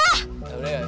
udah udah udah